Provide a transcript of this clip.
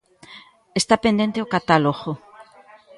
Está pendente o catálogo.